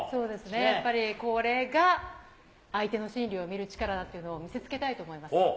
やっぱりこれが相手の心理を見る力だっていうのを見せつけたいと思います。